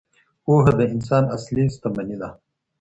پوهه د انسان اصلي شتمني ده.